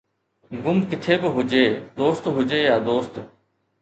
غم ڪٿي به هجي، دوست هجي يا دوست